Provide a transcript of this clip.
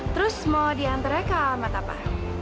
terus mau diantarek ke alamat apa